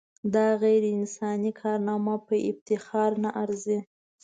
دا غیر انساني کارنامه په افتخار نه ارزي.